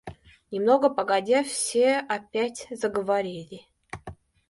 Немного погодя все опять заговорили.